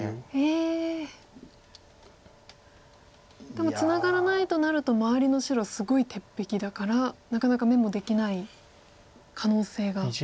でもツナがらないとなると周りの白すごい鉄壁だからなかなか眼もできない可能性が。